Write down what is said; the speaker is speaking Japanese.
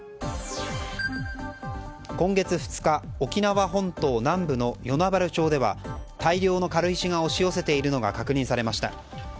今月２日、沖縄本島南部の与那原町では大量の軽石が押し寄せているのが確認されました。